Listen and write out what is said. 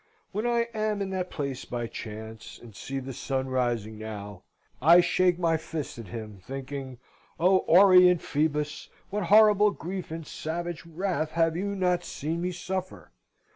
When I am in that place by chance, and see the sun rising now, I shake my fist at him, thinking, O orient Phoebus, what horrible grief and savage wrath have you not seen me suffer!